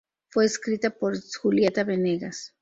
Fue escrita por Julieta Venegas.